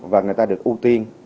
và người ta được ưu tiên